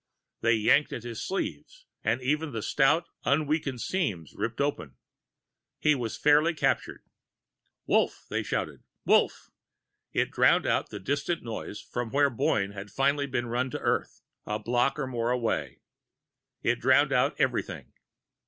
They yanked at his sleeves and even the stout, unweakened seams ripped open. He was fairly captured. "Wolf!" they were shouting. "Wolf!" It drowned out the distant noise from where Boyne had finally been run to earth, a block and more away. It drowned out everything.